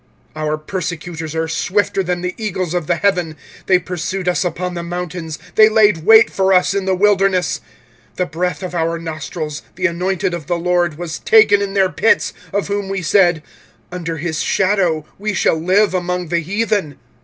25:004:019 Our persecutors are swifter than the eagles of the heaven: they pursued us upon the mountains, they laid wait for us in the wilderness. 25:004:020 The breath of our nostrils, the anointed of the LORD, was taken in their pits, of whom we said, Under his shadow we shall live among the heathen.